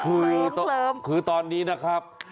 คือตอนนี้นะครับ